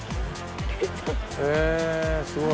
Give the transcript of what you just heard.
へえすごい。